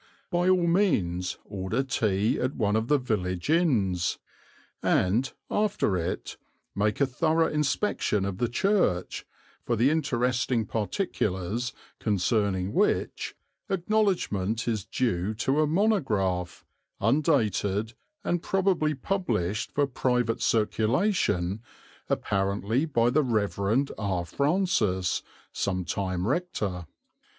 By all means order tea at one of the village inns and, after it, make a thorough inspection of the church, for the interesting particulars concerning which acknowledgment is due to a monograph, undated and probably published for private circulation, apparently by the Rev. R. Francis, some time rector.